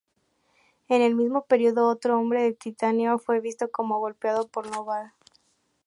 En el mismo período, otro Hombre de Titanio fue visto como golpeado por Noh-Varr.